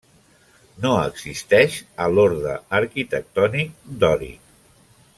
No existeix a l'orde arquitectònic dòric.